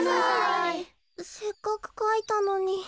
せっかくかいたのに。